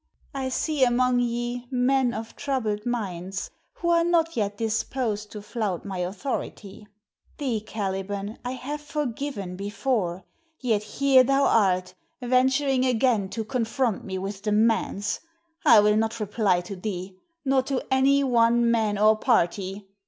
I see among ye men of troubled minds, who are not yet disposed to flout my authority. Thee, Caliban, I have forgiven before; yet here thou art, venturing again to confront me with demands. I will not reply to thee, nor to any one man or party.